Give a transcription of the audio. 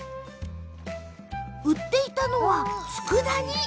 売っていたのは、つくだ煮。